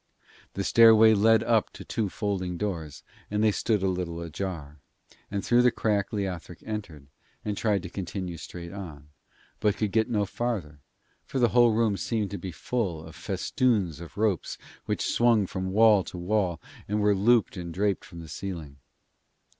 The stairway led up to two folding doors, and they stood a little ajar, and through the crack Leothric entered and tried to continue straight on, but could get no farther, for the whole room seemed to be full of festoons of ropes which swung from wall to wall and were looped and draped from the ceiling.